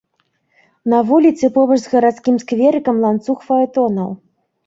На вуліцы, побач з гарадскім скверыкам, ланцуг фаэтонаў.